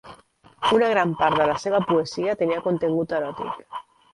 Una gran part de la seva poesia tenia contingut eròtic.